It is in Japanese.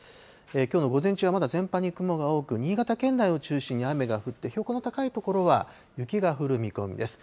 きょうの午前中はまだ全般に雲が多く、新潟県内を中心に雨が降って、標高の高い所は雪が降る見込みです。